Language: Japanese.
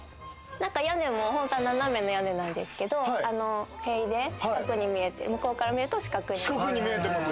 屋根も本当は斜めの屋根なんですけど、塀で四角に見えて向こうから見ると四角に見える。